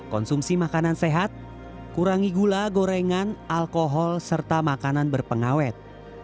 konsumsi makanan sehat kurangi gula gorengan alkohol serta makanan berpengawet